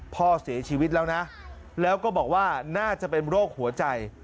พ่อเสียชีวิตแล้วนะแล้วก็บอกว่าน่าจะเป็นโรคหัวใจ